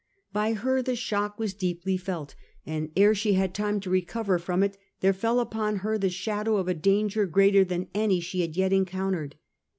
By her the shock was deeply felt, and ere she had time to recover from it there fell upon her the shadow of a danger greater than any she had yet encountered.